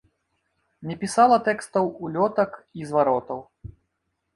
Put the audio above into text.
Не пісала тэкстаў улётак і зваротаў.